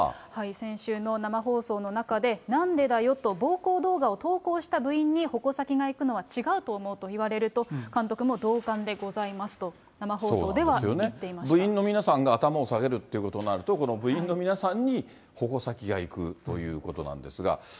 先週の生放送の中で、なんでだよと、暴行動画を投稿した部員に矛先がいくのは違うと思うと言われると、監督も、同感でございますと、部員の皆さんが頭を下げるということになると、この部員の皆さんに矛先が行くということなんですが。